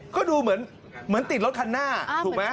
ก็ดูเหมือนติดรถคันหน้าถูกไหม